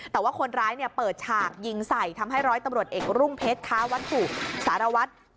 แต่ว่าคนร้ายเปิดฉากยิงใส่ทำให้ร้อยตำรวจเอกรุ่งเพชรค้าวัตถุสารวัตร